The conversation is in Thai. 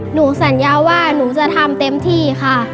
หนูสัญญาว่าหนูจะทำเต็มที่ค่ะ